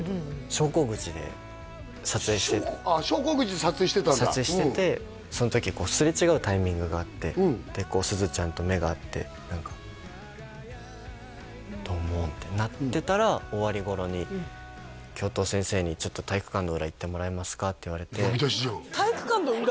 昇降口で撮影しててああ昇降口で撮影してたんだ撮影しててその時擦れ違うタイミングがあってでこう何か「どうも」みたいになってたら終わり頃に教頭先生に「ちょっと体育館の裏」「行ってもらえますか？」って言われて呼び出しじゃん体育館の裏？